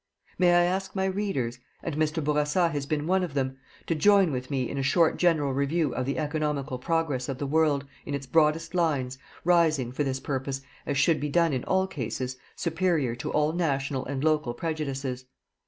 May I ask my readers and Mr. Bourassa has been one of them, to join with me in a short general review of the economical progress of the world, in its broadest lines, rising, for this purpose, as should be done in all cases, superior to all national and local prejudices.